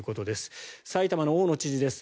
埼玉の大野知事です。